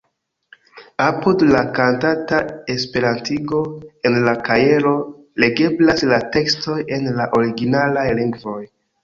Apud la kantata esperantigo, en la kajero legeblas la tekstoj en la originalaj lingvoj.